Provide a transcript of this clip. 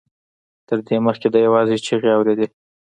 تر دې مخکې ده يوازې چيغې اورېدې.